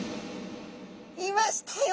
いましたよ